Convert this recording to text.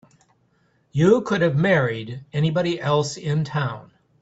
You could have married anybody else in town.